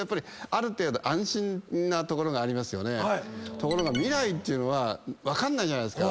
ところが未来っていうのは分かんないじゃないですか。